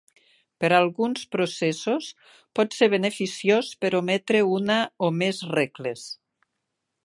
Per alguns processos, pot ser beneficiós per ometre una o més regles.